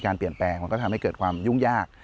ต้องเปลี่ยนเปรย์งก็จะทำให้เกิดความยุ่งยาก